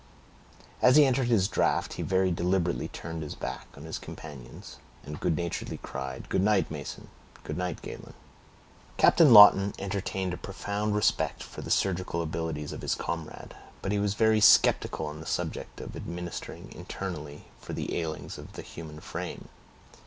As he ended his draft, he very deliberately turned his back on his companions, and good naturedly cried, "Good night, Mason; good night, Galen." Captain Lawton entertained a profound respect for the surgical abilities of his comrade, but he was very skeptical on the subject of administering internally for the ailings of the human frame.